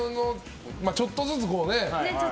ちょっとずつ、こうね。